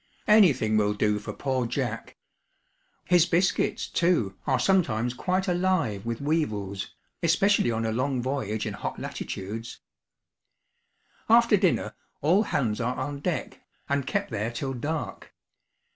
Anything will do for poor Jack. His biscuits, too, are sometimes quite alive with weevils, especially on a long voyage in hot latitudes. After dinner, all hands are on deck, and kept there till dark.